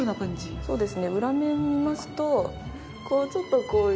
そうですね